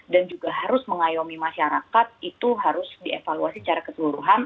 dan juga harus mengayomi masyarakat itu harus dievaluasi secara keseluruhan